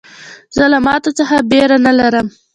زه له ماتو څخه بېره نه لرم.